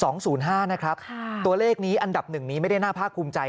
๒๐๕นะครับตัวเลขนี้อันดับหนึ่งนี้ไม่ได้น่าภาคคุมใจ